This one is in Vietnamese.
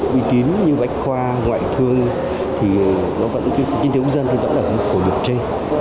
vì tín như bách khoa ngoại thương thì nó vẫn như thế cũng dân thì vẫn là một khổ được chê